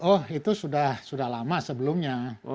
oh itu sudah lama sebelumnya